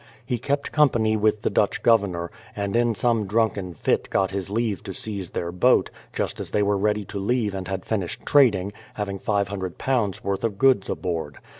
He kept company with the Dutch Governor, and in some drunken fit got his leave to seize their boat, just as they were ready to leave and had finished trading, 260 BRADFORD'S HISTORY OF having £500 worth of goods aboard.